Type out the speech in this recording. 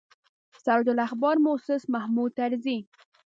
سراج الاخبار موسس محمود طرزي.